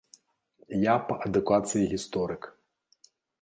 Я па адукацыі гісторык.